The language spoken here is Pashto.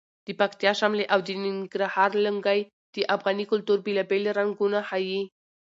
د پکتیا شملې او د ننګرهار لنګۍ د افغاني کلتور بېلابېل رنګونه ښیي.